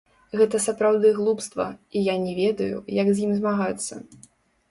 Гэта сапраўды глупства, і я не ведаю, як з ім змагацца.